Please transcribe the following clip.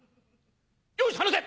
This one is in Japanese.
よし離せ！